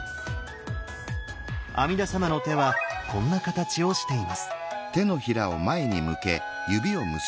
阿弥陀様の手はこんな形をしています。